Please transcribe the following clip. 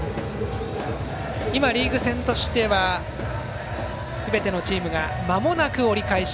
今、リーグ戦としてはすべてのチームがまもなく折り返し。